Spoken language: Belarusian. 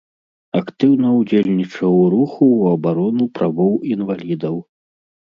Актыўна ўдзельнічаў у руху ў абарону правоў інвалідаў.